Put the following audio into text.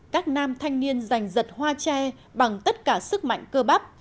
các nam thanh niên giành giật hoa che bằng tất cả sức mạnh cơ bắp